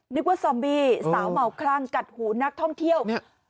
นึกว่าซอมบีสาวเหมาคั่นกัดหูนักท่องเที่ยว